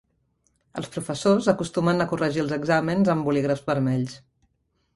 Els professors acostumen a corregir els exàmens amb bolígrafs vermells.